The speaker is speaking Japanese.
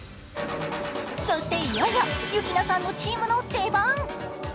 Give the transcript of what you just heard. そしていよいよＹＵＫＩＮＡさんのチームの出番。